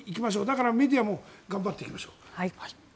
だからメディアも頑張っていきましょう。